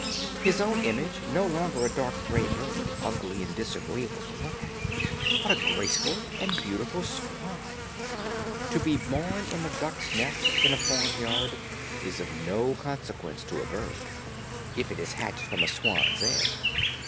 His own image; no longer a dark, gray bird, ugly and disagreeable to look at, but a graceful and beautiful swan. To be born in a duck's nest, in a farmyard, is of no consequence to a bird, if it is hatched from a swan's egg.